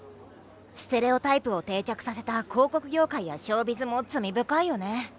ステレオタイプを定着させた広告業界やショウビズも罪深いよね。